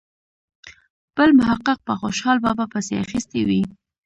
بل محقق په خوشال بابا پسې اخیستې وي.